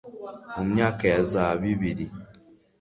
Mu myaka ya za bibiri